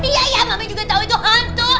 iya iya mami juga tau itu hantu